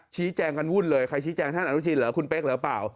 ชี้แจงกันวุ่นเลยใครชี้แจงท่านอนุทินเหรอคุณเป๊กหรือเปล่า